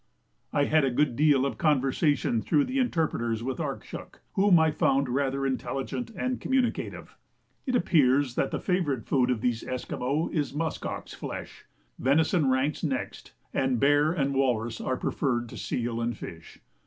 I had a good deal of conversation through the interpreters with Arkshuk, whom I found rather intelligent and communicative. It appears that the favourite food of these Esquimaux is musk ox flesh; venison ranks next, and bear and walrus are preferred to seal and fish.